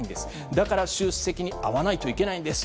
だから習主席に会わないといけないんです。